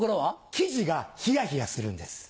キジがヒヤヒヤするんです。